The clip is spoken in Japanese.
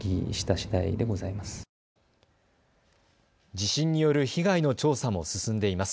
地震による被害の調査も進んでいます。